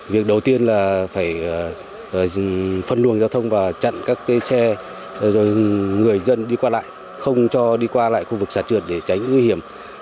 việc đầu tiên là phải phân luồng giao thông và chặn các xe người dân đi qua lại không cho đi qua lại khu vực sạt trượt để tránh nguy hiểm